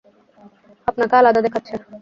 আপনাকে আলাদা দেখাচ্ছে।